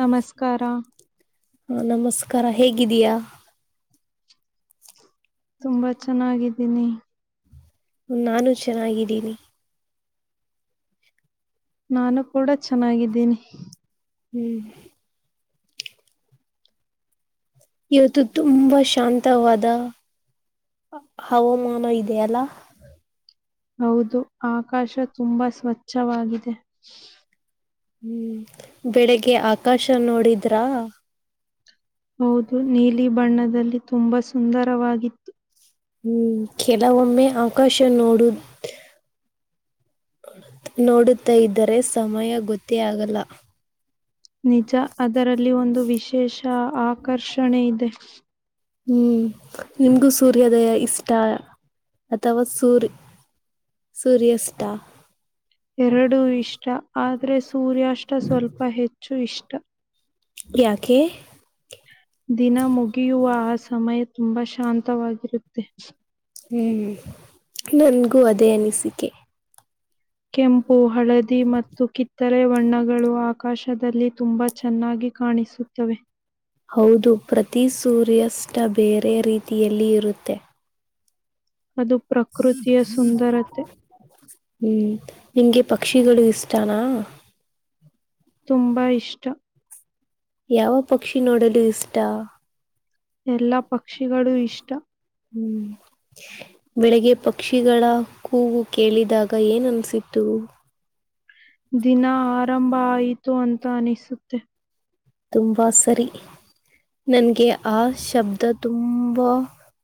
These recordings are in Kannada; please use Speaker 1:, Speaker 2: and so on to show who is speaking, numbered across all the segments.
Speaker 1: ನಮಸ್ಕಾರ
Speaker 2: ಹಾ ನಮಸ್ಕಾರ ಹೇಗಿದೀಯಾ
Speaker 1: ತುಂಬಾ ಚೆನ್ನಾಗಿದ್ದೀನಿ
Speaker 2: ನಾನು ಚೆನ್ನಾಗಿದ್ದೀನಿ
Speaker 1: ನಾನು ಕೂಡ ಚೆನ್ನಾಗಿದ್ದೀನಿ
Speaker 2: ಹ್ಮ್ ಇವತ್ತು ತುಂಬಾ ಶಾಂತವಾದ ಹ ಹವಾಮಾನ ಇದೆಯಲ್ಲಾ
Speaker 1: ಹೌದು ಆಕಾಶ ತುಂಬಾ ಸ್ವಚ್ಛವಾಗಿದೆ
Speaker 2: ಹ್ಮ್ ಬೆಳಿಗ್ಗೆ ಆಕಾಶ ನೋಡಿದ್ರಾ
Speaker 1: ಹೌದು ನೀಲಿ ಬಣ್ಣದಲ್ಲಿ ತುಂಬಾ ಸುಂದರವಾಗಿತ್ತು
Speaker 2: ಹ್ಮ್ ಕೆಲವೊಮ್ಮೆ ಅವಕಾಶ ನೋಡು ನೋಡುತ್ತಾ ಇದ್ದರೆ ಸಮಯ ಗೊತ್ತೇ ಆಗಲ್ಲ
Speaker 1: ನಿಜ ಅದರಲ್ಲಿ ಒಂದು ವಿಶೇಷ ಆಕರ್ಷಣೆ ಇದೆ
Speaker 2: ಹ್ಮ್ ನಿಮ್ಗೂ ಸೂರ್ಯೋದಯ ಇಷ್ಟ ಅಥವಾ ಸೂರ್ ಸೂರ್ಯಷ್ಟ
Speaker 1: ಎರಡೂ ಇಷ್ಟ ಆದ್ರೆ ಸೂರ್ಯಾಷ್ಟ ಸ್ವಲ್ಪ ಹೆಚ್ಚು ಇಷ್ಟ
Speaker 2: ಯಾಕೆ
Speaker 1: ದಿನ ಮುಗಿಯುವ ಆ ಸಮಯ ತುಂಬಾ ಶಾಂತವಾಗಿರುತ್ತೆ
Speaker 2: ಹ್ಮ್ ನನ್ಗೂ ಅದೇ ಅನಿಸಿಕೆ
Speaker 1: ಕೆಂಪು ಹಳದಿ ಮತ್ತು ಕಿತ್ತರೆ ಬಣ್ಣಗಳು ಹಾ ಅವಕಾಶದಲ್ಲಿ ತುಂಬಾ ಚೆನ್ನಾಗಿ ಕಾಣಿಸುತ್ತವೆ
Speaker 2: ಹೌದು ಪ್ರತಿ ಸೂರ್ಯಾಸ್ಟ ಬೇರೆ ರೀತಿಯಲ್ಲಿ ಇರುತ್ತೆ
Speaker 1: ಅದು ಪ್ರಕೃತಿಯ ಸುಂದರತೆ
Speaker 2: ಹ್ಮ್ ಇಂಗಿ ಪಕ್ಕ ಪಕ್ಷಿಗಳು ಇಷ್ಟನಾ
Speaker 1: ತುಂಬಾ ಇಷ್ಟ
Speaker 2: ಯಾವ ಪಕ್ಷಿ ನೋಡಲು ಇಷ್ಟ
Speaker 1: ಎಲ್ಲಾ ಪಕ್ಷಿಗಳು ಇಷ್ಟ
Speaker 2: ಹ್ಮ್ ಬೆಳಗ್ಗೆ ಪಕ್ಷಿಗಳ ಕೂಗವು ಕೇಳಿದಾಗ ಏನ್ ಅನ್ಸತ್ತು
Speaker 1: ದಿನ ಆರಂಭ ಆಯಿತು ಅಂತ ಅನಿಸುತ್ತೆ
Speaker 2: ತುಂಬಾ ಸರಿ ನನ್ಗೆ ಆ ಶಬ್ದ ತುಂಬಾ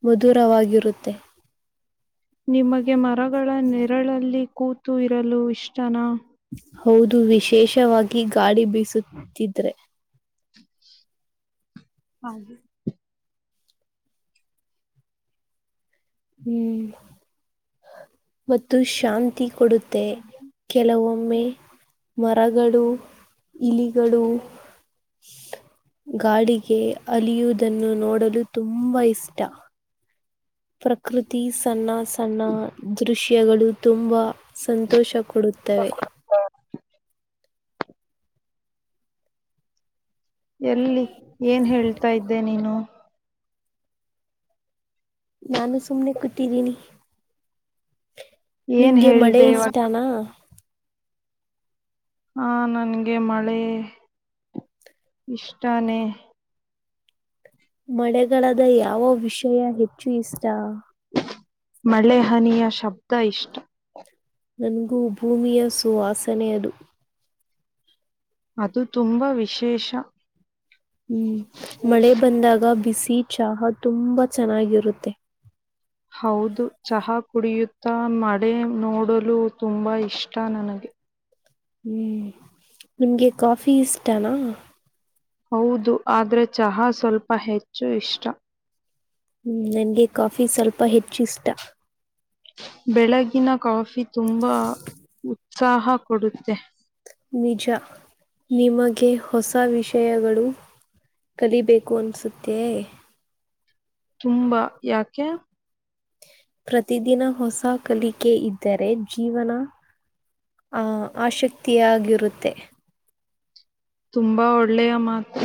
Speaker 2: ಮಧುರವಾಗಿರುತ್ತೆ
Speaker 1: ನಿಮಗೆ ಮರಗಳ ನೆರಳಲ್ಲಿ ಕೂತು ಇರಲು ಇಷ್ಟನಾ
Speaker 2: ಹೌದು ವಿಶೇಷವಾಗಿ ಗಾಡಿ ಬೀಸುತ್ತಿದ್ರೆ
Speaker 1: ಹ
Speaker 2: ಹ್ಮ್ ಮತ್ತು ಶಾಂತಿ ಕೊಡುತ್ತೆ ಕೆಲವೊಮ್ಮೆ ಮರಗಳು ಇಲಿಗಳು ಗಾಡಿಗೆ ಅಲಿಯುವುದನ್ನು ನೋಡಲು ತುಂಬಾ ಇಷ್ಟ ಪ್ರಕೃತಿ ಸಣ್ಣ ಸಣ್ಣ ದೃಶ್ಯಗಳು ತುಂಬಾ ಸಂತೋಷ ಕೊಡುತ್ತವೆ.
Speaker 1: ಎಲ್ಲಿ ಏನ್ ಹೇಳ್ತಾ ಇದ್ದೆ ನೀನು.
Speaker 2: ನಾನು ಸುಮ್ನೆ ಕುಟ್ಟಿದ್ದೀನಿ.
Speaker 1: ಏನ್
Speaker 2: ನಿಮ್ಗೆ ಮಳೆ
Speaker 1: ಹೇಳ್ದೆ ಇವಾಗ
Speaker 2: ಇಷ್ಟಾನ
Speaker 1: ಹ ನನ್ಗೆ ಮಳೆ ಇಷ್ಟಾನೇ
Speaker 2: ಮಳೆಗಾಲದ ಯಾವ ವಿಷಯ ಹೆಚ್ಚು ಇಷ್ಟ
Speaker 1: ಮಳೆ ಹನಿಯ ಶಬ್ದ ಇಷ್ಟ
Speaker 2: ನನ್ಗೂ ಭೂಮಿಯ ಸುವಾಸನೆಯದು
Speaker 1: ಅದು ತುಂಬಾ ವಿಶೇಷ
Speaker 2: ಹ್ಮ್ ಮಳೆ ಬಂದಾಗ ಬಿಸಿ ಚಹಾ ತುಂಬಾ ಚೆನ್ನಾಗಿರುತ್ತೆ
Speaker 1: ಹೌದು ಚಹಾಬ್ ಕುಡಿಯುತ್ತಾ ಮಡೆ ನೋಡಲು ತುಂಬಾ ಇಷ್ಟ ನನಗೆ
Speaker 2: ಹ್ಮ್ ನಿಮ್ಗೆ ಕಾಫಿ ಇಷ್ಟನಾ?
Speaker 1: ಹೌದು ಆದ್ರೆ ಚಹಾ ಸ್ವಲ್ಪ ಹೆಚ್ಚು ಇಷ್ಟ.
Speaker 2: ಹ್ಮ್ ನಂಗೆ ಕಾಫಿ ಸ್ವಲ್ಪ ಹೆಚ್ಚು ಇಷ್ಟ.
Speaker 1: ಬೆಳಗಿನ ಕಾಫಿ ತುಂಬಾ ಉತ್ಸಾಹ ಕೊಡುತ್ತೆ.
Speaker 2: ನಿಜ ನಿಮಗೆ ಹೊಸ ವಿಷಯಗಳು ಕಲಿಬೇಕು ಅನ್ಸುತ್ತೆ
Speaker 1: ತುಂಬಾ ಯಾಕೆ.
Speaker 2: ಪ್ರತಿದಿನ ಹೊಸ ಕಲಿಕೆ ಇದ್ದರೆ ಜೀವನ ಆ ಆಶಕ್ತಿಯಾಗಿರುತ್ತೆ.
Speaker 1: ತುಂಬಾ ಒಳ್ಳೆಯ ಮಾತು.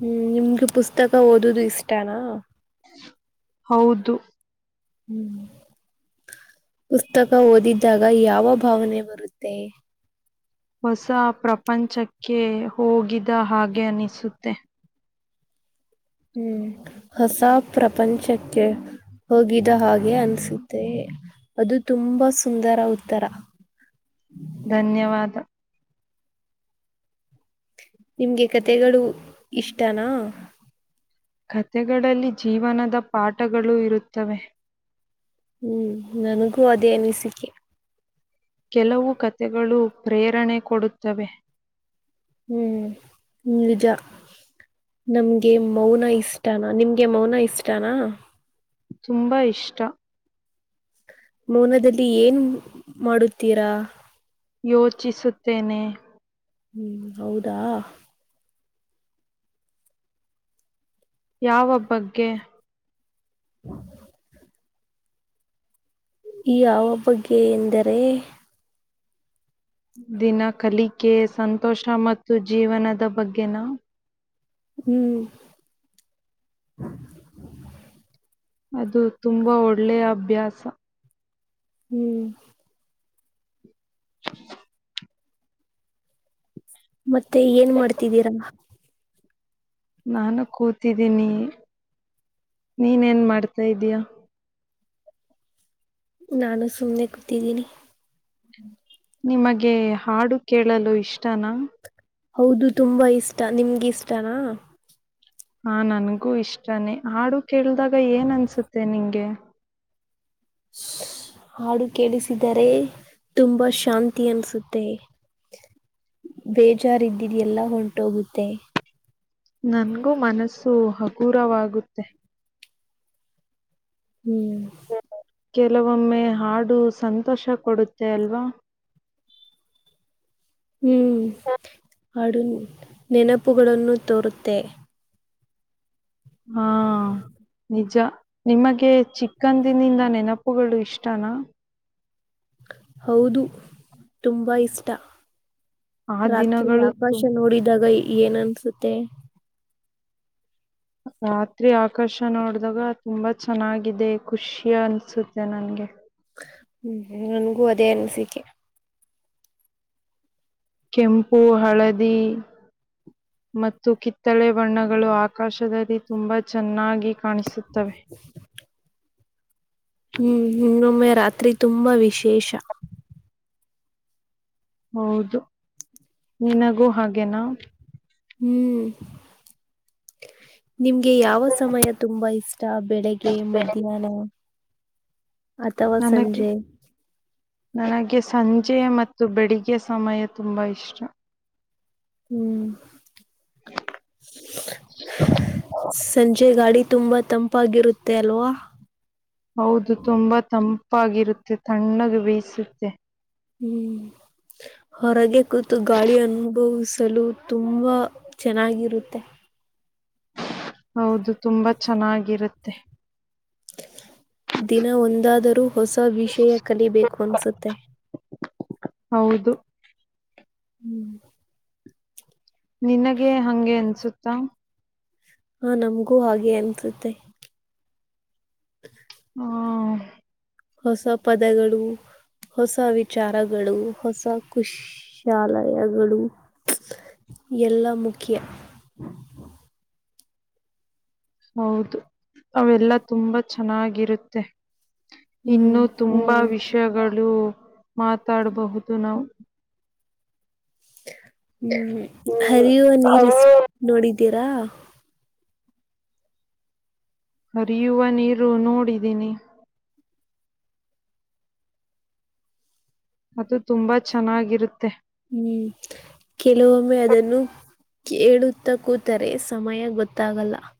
Speaker 2: ಹ್ಮ್ ನಿಮ್ಗ ಪುಸ್ತಕ ಓದುದು ಇಷ್ಟಾನಾ.
Speaker 1: ಹೌದು.
Speaker 2: ಹ್ಮ್ ಪುಸ್ತಕ ಓದಿದ್ದಾಗ ಯಾವ ಭಾವನೆ ಬರುತ್ತೆ.
Speaker 1: ಹೊಸ ಪ್ರಪಂಚಕ್ಕೆ ಹೋಗಿದ ಹಾಗೆ ಅನ್ನಿಸುತ್ತೆ.
Speaker 2: ಹ್ಮ್ ಹೊಸ ಪ್ರಪಂಚಕ್ಕೆ ಹೋಗಿದ ಹಾಗೆ ಅನ್ಸುತ್ತೆ ಅದು ತುಂಬಾ ಸುಂದರ ಉತ್ತರ.
Speaker 1: ಧನ್ಯವಾದ.
Speaker 2: ನಿಮ್ಗೆ ಕತೆಗಳು ಇಷ್ಟನಾ.
Speaker 1: ಕಥೆಗಳಲ್ಲಿ ಜೀವನದ ಪಾಠಗಳು ಇರುತ್ತವೆ.
Speaker 2: ಹ್ಮ್ ನನಗೂ ಅದೇ ಅನಿಸಿಕೆ.
Speaker 1: ಕೆಲವು ಕಥೆಗಳು ಪ್ರೇರಣೆ ಕೊಡುತ್ತವೆ.
Speaker 2: ಹ್ಮ್ ಹ್ಮ ನಿಜ. ನಮ್ಗೆ ಮೌನ ಇಷ್ಟಾನ ನಿಮ್ಗೆ ಮೌನ ಇಷ್ಟಾನಾ.
Speaker 1: ತುಂಬಾ ಇಷ್ಟ.
Speaker 2: ಮೌನದಲ್ಲಿ ಏನು ಮಾಡುತ್ತೀರಾ?
Speaker 1: ಯೋಚಿಸುತ್ತೇನೆ.
Speaker 2: ಹ್ಮ್ ಹೌದಾ.
Speaker 1: ಯಾವ ಬಗ್ಗೆ.
Speaker 2: [unintelligible] ಈ ಯಾವ ಬಗ್ಗೆ ಎಂದರೆ.
Speaker 1: ದಿನ ಕಲಿಕೆ ಸಂತೋಷ ಮತ್ತು ಜೀವನದ ಬಗ್ಗೆನಾ.
Speaker 2: ಹ್ಮ್
Speaker 1: ಅದು ತುಂಬಾ ಒಳ್ಳೆಯ ಅಭ್ಯಾಸ.
Speaker 2: ಹ್ಮ್
Speaker 1: [unintelligible]
Speaker 2: ಮತ್ತೆ ಏನ್ ಮಾಡ್ತಿದ್ದೀರಾ?
Speaker 1: ನಾನು ಕೂತಿದ್ದೀನಿ ನೀನ್ ಏನ್ ಮಾಡ್ತಾ ಇದೀಯಾ?
Speaker 2: ನಾನು ಸುಮ್ನೆ ಕೂತಿದ್ದೀನಿ.
Speaker 1: ನಿಮಗೆ ಹಾಡು ಕೇಳಲು ಇಷ್ಟನಾ?
Speaker 2: ಹೌದು ತುಂಬಾ ಇಷ್ಟ ನಿಮ್ಗೆ ಇಷ್ಟನಾ?
Speaker 1: ಹಾ ನನ್ಗೂ ಇಷ್ಟಾನೇ ಹಾಡು ಕೇಳ್ದಾಗ ಏನ್ ಅನ್ಸುತ್ತೆ ನಿಂಗೆ?
Speaker 2: ಶ ಹಾಡು ಕೇಳಿಸಿದರೆ ತುಂಬಾ ಶಾಂತಿ ಅನ್ಸುತ್ತೆ. ಬೇಜಾರಿದ್ದಿದ ಎಲ್ಲ ಹೊಂಟೋಗುತ್ತೆ.
Speaker 1: ನನ್ಗೂ ಮನಸ್ಸು ಹಗುರವಾಗುತ್ತೆ.
Speaker 2: ಹ್ಮ್
Speaker 1: ಕೆಲವೊಮ್ಮೆ ಹಾಡು ಸಂತೋಷ ಕೊಡುತ್ತೆ ಅಲ್ವಾ
Speaker 2: ಹ್ಮ್ ಹಡುನ್ ನೆನಪುಗಳನ್ನು ತೋರುತ್ತೆ
Speaker 1: ಹಾ ನಿಜ ನಿಮಗೆ ಚಿಕ್ಕಂದಿನಿಂದ ನೆನಪುಗಳು ಇಷ್ಟನಾ
Speaker 2: ಹೌದು ತುಂಬಾ ಇಷ್ಟ
Speaker 1: ಆ
Speaker 2: ರಾತ್ರಿ
Speaker 1: ದಿನಗಳು ತುಂಬಾ
Speaker 2: ಆಕಾಶ ನೋಡಿದಾಗ ಏನ್ನತ್ತೆ
Speaker 1: ರಾತ್ರಿ ಆಕರ್ಷ ನೋಡ್ದಾಗ ತುಂಬಾ ಚೆನ್ನಾಗಿದೆ ಖುಷಿ ಅನ್ಸುತ್ತೆ ನನ್ಗೆ
Speaker 2: ಹ್ಮ್ ನನ್ಗೂ ಅದೇ ಅನಿಸಿಕೆ
Speaker 1: ಕೆಂಪು ಹಳದಿ ಮತ್ತು ಕಿತ್ತಳೆ ಬಣ್ಣಗಳು ಆಕಾಶದಲ್ಲಿ ತುಂಬಾ ಚೆನ್ನಾಗಿ ಕಾಣಿಸುತ್ತವೆ
Speaker 2: ಹ್ಮ್ ಹೊಮ್ಮೆ ರಾತ್ರಿ ತುಂಬಾ ವಿಶೇಷ
Speaker 1: ಹೌದು ನಿನಗೂ ಹಾಗೇನಾ
Speaker 2: ಹ್ಮ್ ನಿಮ್ಗೆ ಯಾವ ಸಮಯ ತುಂಬಾ ಇಷ್ಟ ಅಷ್ಟ ಬೆಳಿಗ್ಗೆ ಮಧ್ಯಾಹ್ನ ಅಥವಾ
Speaker 1: ನನಗೆ
Speaker 2: ಸಂಜೆ
Speaker 1: ನನಗೆ ಸಂಜೆ ಮತ್ತು ಬೆಳಿಗ್ಗೆ ಸಮಯ ತುಂಬ ಇಷ್ಟ
Speaker 2: ಹ್ಮ್ ಸಂಜಯ ಗಾಡಿ ತುಂಬಾ ತಂಪಾಗಿರುತ್ತೆ ಅಲ್ವಾ
Speaker 1: ಹೌದು ತುಂಬಾ ತಂಪಾಗಿರುತ್ತೆ ತಣ್ಣಗೆ ಬೇಯಿಸುತ್ತೆ
Speaker 2: ಹ್ಮ್ ಹೊರಗೆ ಕೂತು ಗಾಳಿ ಅನುಭವಿಸಲು ತುಂಬಾ ಚೆನ್ನಾಗಿರುತ್ತೆ
Speaker 1: ಹೌದು ತುಂಬಾ ಚೆನ್ನಾಗಿರುತ್ತೆ
Speaker 2: ದಿನ ಒಂದಾದರೂ ಹೊಸ ವಿಷಯ ಕಲಿಬೇಕು ಅನಸುತ್ತೆ
Speaker 1: ಹೌದು
Speaker 2: ಹ್ಮ್
Speaker 1: ನಿನಗೆ ಹಂಗೆ ಅನ್ಸುತ್ತಾ
Speaker 2: ಹಾ ನಮ್ಗೂ ಹಾಗೆ ಅನ್ಸುತ್ತೆ
Speaker 1: ಆ
Speaker 2: ಹೊಸ ಪದಗಳು ಹೊಸ ವಿಚಾರಗಳು ಹೊಸ ಕುಶಾಲಯಗಳು ಎಲ್ಲ ಮುಖ್ಯ
Speaker 1: ಹೌದು ಅವೆಲ್ಲಾ ತುಂಬಾ ಚೆನ್ನಾಗಿರುತ್ತೆ
Speaker 2: ಹ್ಮ್
Speaker 1: ಇನ್ನು ತುಂಬಾ ವಿಷಯಗಳು ಮಾತಾಡಬಹುದು ನಾವು
Speaker 2: ಹ್ಮ್
Speaker 1: ಹ್ಮ್
Speaker 2: ಹರಿಯುವ ನೀರ್ ಇಷ್ಟ ನೋಡಿದ್ದೀರಾ
Speaker 1: ಅರಿಯುವ ನೀರು ನೋಡಿದೀನಿ ಅದು ತುಂಬಾ ಚೆನ್ನಾಗಿರುತ್ತೆ
Speaker 2: ಹ್ಮ್ ಕೆಲವೊಮ್ಮೆ ಅದನ್ನು ಕೇಳುತ್ತ ಕೂತರೆ ಸಮಯ ಗೊತ್ತಾಗಲ್ಲ [inaudible]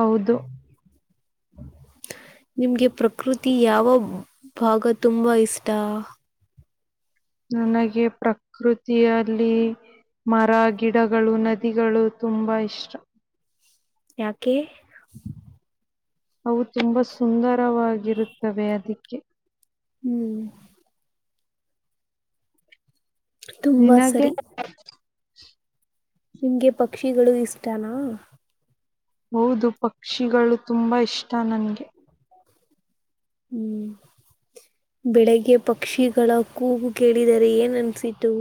Speaker 1: ಹೌದು
Speaker 2: ನಿಮ್ಗೆ ಪ್ರಕೃತಿ ಯಾವ ಭಾಗ ತುಂಬಾ ಇಷ್ಟ
Speaker 1: ನನಗೆ ಪ್ರಕೃತಿಯಲ್ಲಿ ಮರ ಗಿಡಗಳು ನದಿಗಳು ತುಂಬಾ ಇಷ್ಟ
Speaker 2: ಯಾಕೆ
Speaker 1: ಅವು ತುಂಬಾ ಸುಂದರವಾಗಿರುತ್ತವೆ ಅದಕ್ಕೆ
Speaker 2: ಹ್ಮ್ ತುಂಬಾ
Speaker 1: ನಿನಗೆ
Speaker 2: ಸರಿ ನಿಮ್ಗೆ ಪಕ್ಷಿಗಳು ಇಷ್ಟನಾ
Speaker 1: ಹೌದು ಪಕ್ಷಿಗಳು ತುಂಬಾ ಇಷ್ಟ ನನ್ಗೆ
Speaker 2: ಹ್ಮ್ ಬೆಳಿಗ್ಗೆ ಪಕ್ಷಿಗಳ ಕೂಗು ಕೇಳಿದರೆ ಏನ್ ಅನ್ಸಿತು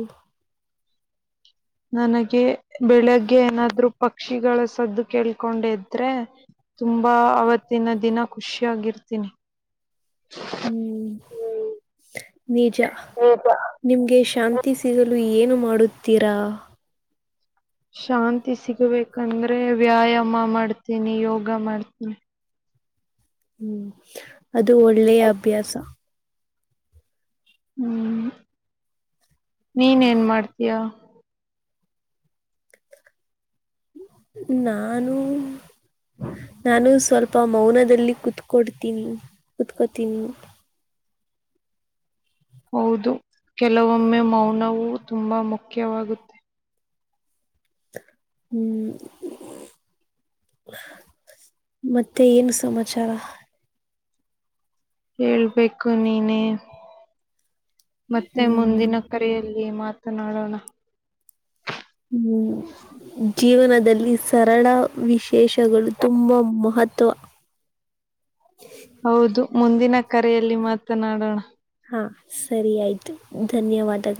Speaker 1: ನನಗೆ ಬೆಳಗ್ಗೆ ಏನಾದ್ರು ಪಕ್ಷಿಗಳ ಸದ್ದು ಕೇಳ್ಕೊಂಡಿದ್ರೆ ತುಂಬಾ ಆವತ್ತಿನ ದಿನ ಖುಷಿಯಾಗಿರ್ತೀನಿ
Speaker 2: ಹ್ಮ್ ನಿಜ ನಿಮ್ಗೆ ಶಾಂ ಶಾಂತಿ ಸಿಗಲು ಏನು ಮಾಡುತ್ತೀರಾ
Speaker 1: ಶಾಂತಿ ಸಿಗಬೇಕಂದ್ರೆ ವ್ಯಾಯಾಮ ಮಾಡ್ತೀನಿ ಯೋಗ ಮಾಡ್ತೀನಿ
Speaker 2: ಹ್ಮ್ ಅದು ಒಳ್ಳೆಯ ಅಭ್ಯಾಸ
Speaker 1: ಹ್ಮ್ ನೀನ್ ಏನ್ ಮಾಡ್ತೀಯಾ
Speaker 2: ನಾನು ನಾನು ಸ್ವಲ್ಪ ಮೌನದಲ್ಲಿ ಕುೂತ್ಕೊಡ್ತೀನ್ ಕುೂತ್ಕೋತೀನ್
Speaker 1: ಹೌದು ಕೆಲವೊಮ್ಮೆ ಮೌನವೂ ತುಂಬಾ ಮುಖ್ಯವಾಗುತ್ತೆ
Speaker 2: ಹ್ಮ್ ಮತ್ತೆ ಏನು ಸಮಾಚಾರ
Speaker 1: ಹೇಳ್ಬೇಕು ನೀನೇ ಮತ್ತೆ
Speaker 2: ಹ್ಮ್
Speaker 1: ಮುಂದಿನ ಕರೆಯಲ್ಲಿ ಮಾತನಾಡೋಣ
Speaker 2: ಹ್ಮ್ ಜೀವನ ಸರಳ ವಿಶೇಷಗಳು ತುಂಬಾ ಮಹತ್ವ
Speaker 1: ಹೌದು ಮುಂದಿನ ಕರೆಯಲ್ಲಿ ಮಾತನಾಡೋಣ
Speaker 2: ಹ ಸರಿ ಆಯ್ತು ಧನ್ಯವಾದಗಳು